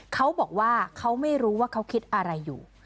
เขาบอกว่าเขาไม่รู้ว่าเขาคิดอะไรอยู่